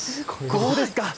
どうですか。